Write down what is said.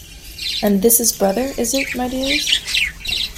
And this is brother, is it, my dears?